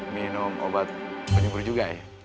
minum obat penyembur juga ya